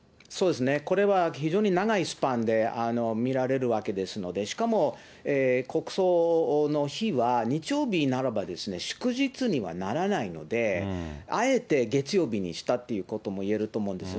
これは非常に長いスパンで見られるわけですので、しかも国葬の日は日曜日ならば祝日にはならないので、あえて月曜日にしたっていうこともいえると思うんです。